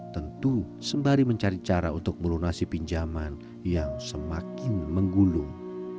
tentu sembari mencari cara untuk melunasi pinjaman yang semakin menggulung